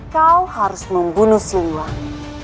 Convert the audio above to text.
kau harus membunuh siluang